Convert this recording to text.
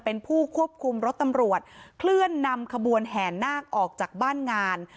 เป็นผู้ควบคุมรถตำรวจเคลื่อนนำขบวนแห่นาคออกจากบ้านงาน